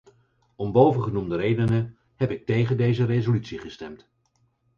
Om bovengenoemde redenen heb ik tegen deze resolutie gestemd.